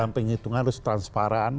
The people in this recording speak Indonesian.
penghitungan harus transparan